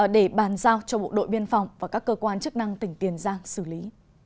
để bàn giao cho bộ đội biên phòng và các cơ quan chức năng tỉnh tiền giang xử lý